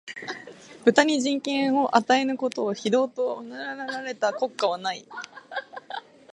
豚に人権を与えぬことを、非道と謗られた国家はない